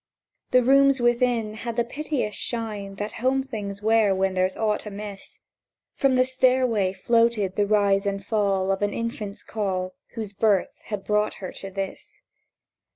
The rooms within had the piteous shine That home things wear when there's aught amiss; From the stairway floated the rise and fall Of an infant's call, Whose birth had brought her to this.